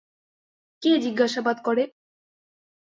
কে জিজ্ঞাসাবাদ করেন?